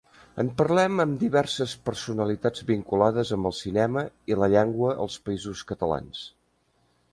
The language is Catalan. En parlem amb diverses personalitats vinculades amb el cinema i la llengua als Països Catalans.